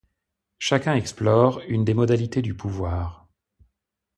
Chacun explore une des modalités du pouvoir.